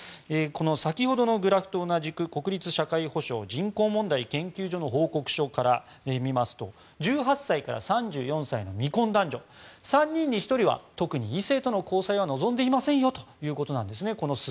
先ほどのグラフと同じく国立社会保障・人口問題研究所の報告書から見ますと１８歳から３４歳の未婚男女３人に１人は特に異性との交際は望んでいませんよということなんですね。